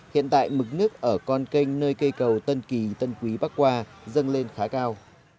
hiện tại mực nước ở con canh nơi cây cầu tân kỳ tân quý bắc qua dâng lên khá cao